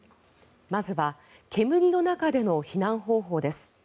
まずは煙の中での避難方法です。